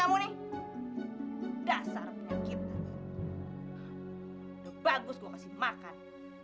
udah bagus gue kasih makan